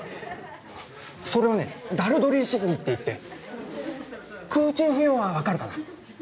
それはねダルドリー・シッディっていって空中浮揚は分かるかな？